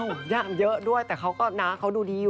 อ้าวยังเยอะด้วยแต่เขาก็นะเขาดูดีอยู่